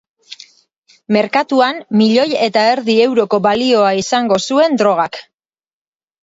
Merkatuan milioi eta erdi euroko balioa izango zuen drogak.